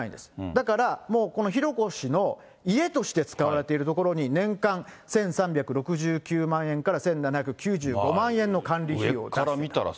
だから、もうこの浩子氏の家として使われている所に、年間１３６９万円から１７９５万円の管理費を。